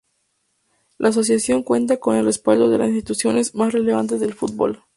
La asociación cuenta con el respaldo de las instituciones más relevantes del fútbol.